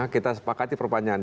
kita sepakati perpanjangan